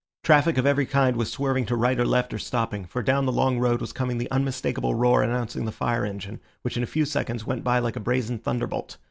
Traffic of every kind was swerving to right or left or stopping, for down the long road was coming the unmistakable roar announcing the fire engine, which in a few seconds went by like a brazen thunderbolt.